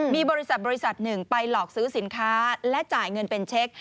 มีบริษัทบริษัทหนึ่งไปหลอกซื้อสินค้าและจ่ายเงินเป็นเช็ค